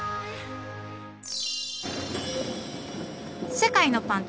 世界のパン旅。